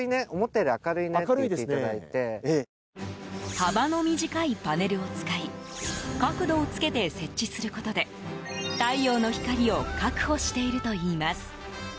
幅の短いパネルを使い角度をつけて設置することで太陽の光を確保しているといいます。